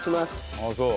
ああそう。